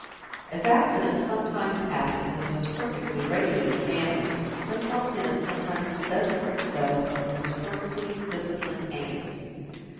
As accidents sometimes happen in the most perfectly regulated families, so clumsiness sometimes possesses itself of the most perfectly disciplined hands.